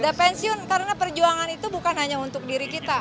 sudah pensiun karena perjuangan itu bukan hanya untuk diri kita